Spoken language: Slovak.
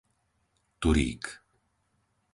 Turík